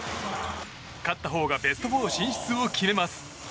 勝ったほうがベスト４進出を決めます。